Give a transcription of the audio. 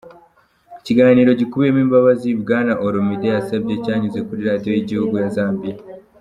Ikiganiro gikubiyemo imbabazi Bwana Olomide yasabye cyanyuze kuri radio y'igihugu ya Zambia.